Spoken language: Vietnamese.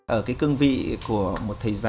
ở cái cương vị của một thầy